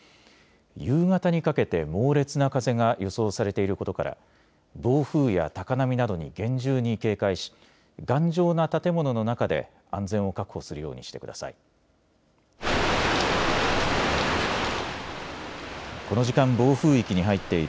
夕方にかけて猛烈な風が予想されていることから暴風や高波などに厳重に警戒し頑丈な建物の中で安全を確保するようにしてください。